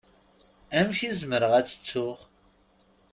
Amek i zemreɣ ad t-ttuɣ?